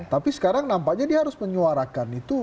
tapi sekarang nampaknya dia harus menyuarakan itu